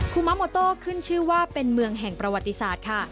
คุมะโมโต้ขึ้นชื่อว่าเป็นเมืองแห่งประวัติศาสตร์ค่ะ